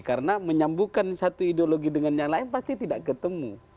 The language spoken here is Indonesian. karena menyambungkan satu ideologi dengan yang lain pasti tidak ketemu